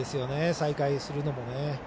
再開するのもね。